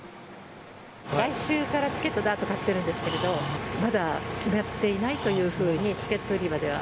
来週からチケット、だーっと買ってるんですけど、まだ決まっていないというふうにチケット売り場では。